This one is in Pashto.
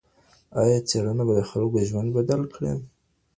ایا ستا څېړنه به د خلګو ژوند بدل کړي؟